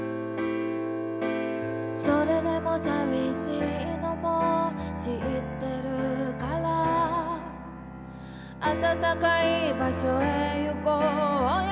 「それでも淋しいのも知ってるからあたたかい場所へ行こうよ」